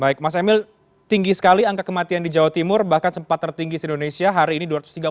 baik mas emil tinggi sekali angka kematian di jawa timur bahkan sempat tertinggi di indonesia hari ini dua ratus tiga puluh